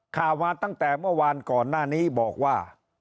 ข่าวมาตั้งแต่เมื่อวานก่อนหน้านี้บอกว่า